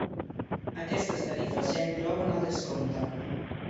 Aquestes tarifes ja inclouen el descompte.